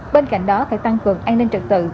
bên cạnh đó phải tăng cường an ninh trật tự